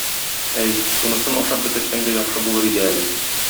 Әй, шунысын ашап бетерсәң дә яхшы булыр иде әле.